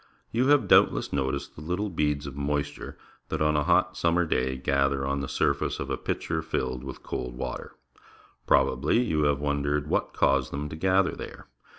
You have doubtless noticed the little beads of moisture that, on a hot summer day, gather on the surface of a pitcher filled with cold water. Probably you have wondered what caused them to gather there.